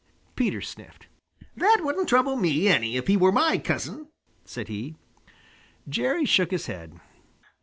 Peter sniffed. "That wouldn't trouble me any if he were my cousin," said he. Jerry shook his head.